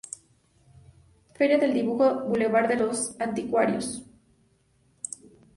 Feria del Dibujo en el Bulevar de los Anticuarios.